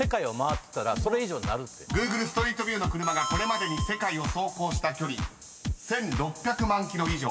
［Ｇｏｏｇｌｅストリートビューの車がこれまでに世界を走行した距離１，６００万ｋｍ以上。